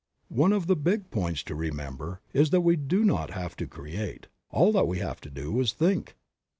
One of the big points to remember is that we do not have to create ; all that we have to do is to think.